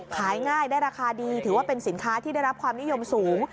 ขายง่ายได้ราคาดีถือว่าเป็นสินค้าที่ได้รับความนิยมสูง